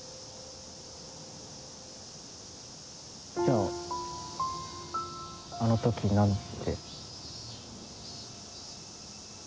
じゃああの時何で？